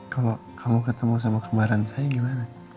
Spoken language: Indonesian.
kalau kamu ketemu sama kembaran saya gimana